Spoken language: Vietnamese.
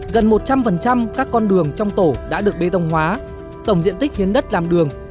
gần một trăm linh các con đường trong tổ đã được bê tông hóa tổng diện tích hiến đất làm đường